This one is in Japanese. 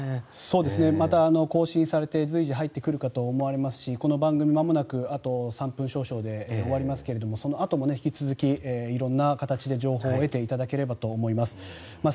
また更新されて随時入ってくるかと思われますしこの番組、まもなくあと３分少々で終わりますがそのあとも引き続き色んな形で情報を得ていただければと思います。